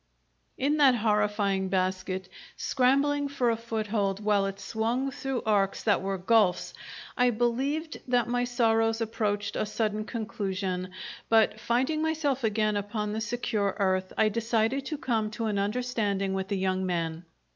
In that horrifying basket, scrambling for a foothold while it swung through arcs that were gulfs, I believed that my sorrows approached a sudden conclusion, but finding myself again upon the secure earth, I decided to come to an understanding with the young man.